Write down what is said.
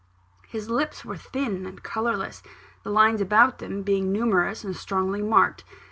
His lips were thin and colourless, the lines about them being numerous and strongly marked.